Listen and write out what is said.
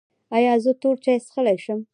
ایا زه تور چای څښلی شم؟